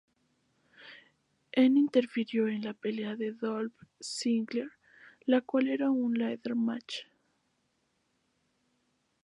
En interfirió en la pelea de Dolph Ziggler, la cual era un Ladder Match.